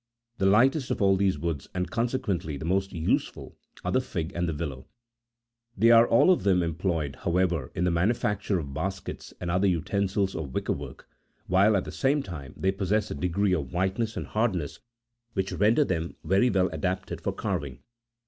The lightest of all these woods, and consequently the most useful, are the fig and the willow. They are all of them em ployed, however, in the manufacture of baskets and other utensils of wicker work ; while, at the same time, they pos sess a degree of whiteness and hardness which render them very well adapted for carving.